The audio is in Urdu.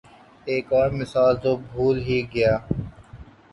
ایک اور مثال تو بھول ہی گیا۔